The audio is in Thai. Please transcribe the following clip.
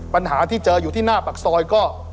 ปัญหาที่เจออยู่ที่หน้าปากซอยก็